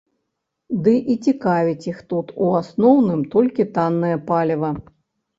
Ды і цікавіць іх тут, у асноўным, толькі таннае паліва.